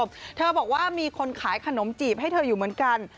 เธอบอกว่ามีคนขายขนมจีบให้เธออยู่เหมือนกัน